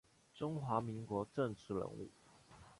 中华民国政治人物。